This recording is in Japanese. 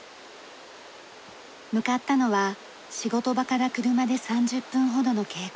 向かったのは仕事場から車で３０分ほどの渓谷。